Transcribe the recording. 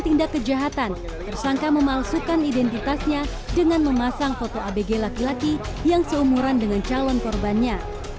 tindak kejahatan tersangka memalsukan identitasnya dengan memasang foto abg laki laki yang seumuran dengan calon korbannya